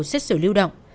xét xử lưu động